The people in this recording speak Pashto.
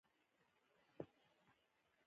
زه هم د ترودو په بري خوشاله شوم.